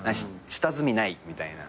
下積みないみたいな。